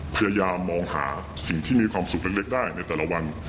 พยายามมองหาสิ่งที่มีความสุขเล็กได้ในแต่ละวัน